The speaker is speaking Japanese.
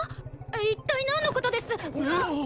一体何のことですあっ！